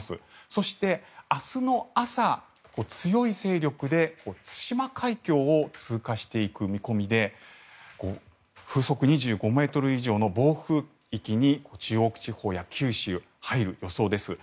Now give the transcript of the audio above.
そして明日の朝、強い勢力で対馬海峡を通過していく見込みで風速２５ｍ以上の暴風域に中国地方や九州入る予想です。